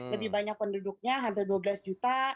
lebih banyak penduduknya hampir dua belas juta